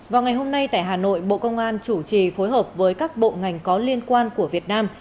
vào ngày hôm nay tại hà nội bộ công an chủ trì phối hợp với các bộ ngành có liên quan của việt nam